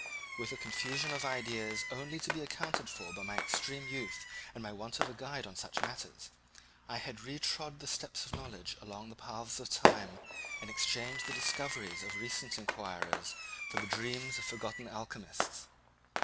With a confusion of ideas only to be accounted for by my extreme youth and my want of a guide on such matters, I had retrod the steps of knowledge along the paths of time and exchanged the discoveries of recent inquirers for the dreams of forgotten alchemists.